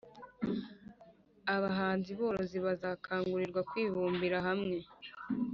abahinzi borozi bazakangurirwa kwibumbira hamwe.